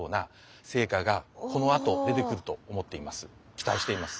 期待しています。